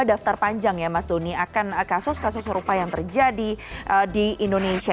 daftar panjang ya mas doni akan kasus kasus serupa yang terjadi di indonesia